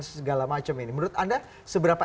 segala macam ini menurut anda seberapa